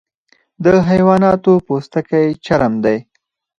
د حیواناتو پوستکی چرم دی